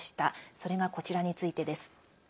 それが、こちらについてです。